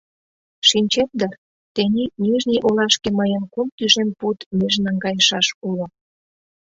Шинчет дыр, тений Нижний олашке мыйын кум тӱжем пуд меж наҥгайышаш уло.